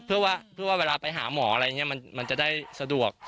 เพื่อว่าเวลาไปหาหมออะไรอย่างนี้มันจะได้สะดวก